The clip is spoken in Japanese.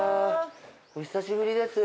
お久しぶりです。